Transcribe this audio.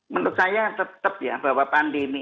menurut saya tetap ya bahwa pandemi